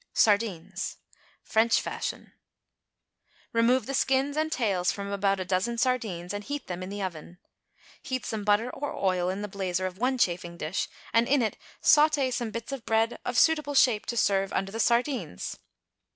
=Sardines.= (French fashion.) Remove the skins and tails from about a dozen sardines and heat them in the oven. Heat some butter or oil in the blazer of one chafing dish, and in it sauté some bits of bread of suitable shape to serve under the sardines.